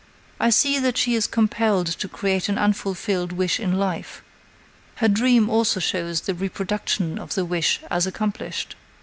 I see that she is compelled to create an unfulfilled wish in life. Her dream also shows the reproduction of the wish as accomplished.